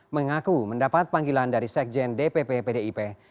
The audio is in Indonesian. mengaku mendapat panggilan dari sekjen dpp pdip